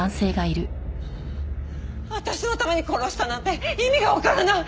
私のために殺したなんて意味がわからない！